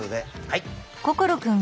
はい。